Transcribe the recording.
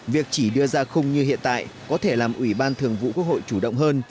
việc chỉ đưa ra khung như hiện tại có thể làm ủy ban thường vụ quốc hội chủ động hơn